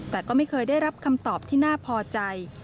แต่ก็ไม่เคยได้รับคำตอบที่น่าพอใจ